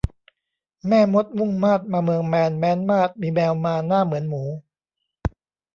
แม่มดมุ่งมาดมาเมืองแมนแม้นมาศมีแมวมาหน้าเหมือนหมู